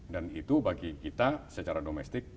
dan itu bagi kita secara domestik